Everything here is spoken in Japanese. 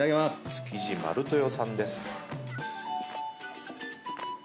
築地「丸豊」さんです。